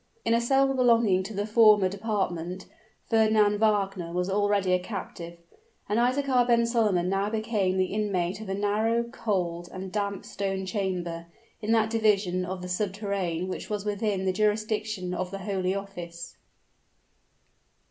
In a cell belonging to the former department, Fernand Wagner was already a captive; and Isaachar ben Solomon now became the inmate of a narrow, cold, and damp stone chamber, in that division of the subterrane which was within the jurisdiction of the holy office.